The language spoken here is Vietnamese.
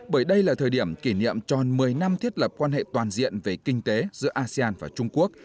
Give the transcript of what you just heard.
bởi đây là thời điểm kỷ niệm tròn một mươi năm thiết lập quan hệ toàn diện về kinh tế giữa asean và trung quốc